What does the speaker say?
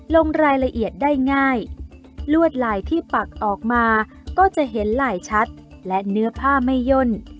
ลงรายละเอียดได้ง่ายลวดลายที่ปักออกมาก็จะเห็นลายชัดและเนื้อผ้าไม่ย่น